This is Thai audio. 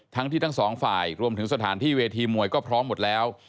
ที่ทั้งสองฝ่ายรวมถึงสถานที่เวทีมวยก็พร้อมหมดแล้ว